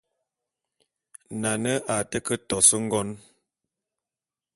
Nane a té ke tos ngon.